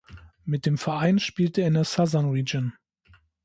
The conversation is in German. Mit dem Verein spielt er in der Southern Region.